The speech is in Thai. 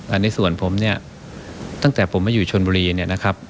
อันนี้ส่วนผมเนี่ยตั้งแต่ผมมาอยู่ชนบุรีเนี่ยนะครับ